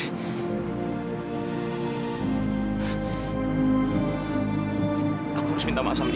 aku harus minta maaf sama